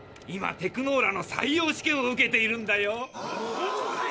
今テクノーラの採用試験を受けているんだよ。